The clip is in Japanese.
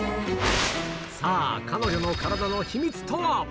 さあ、彼女の体の秘密とは。